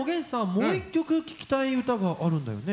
もう一曲聴きたい歌があるんだよね。